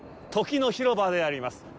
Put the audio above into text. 時空の広場であります。